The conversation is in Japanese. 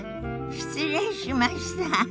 失礼しました。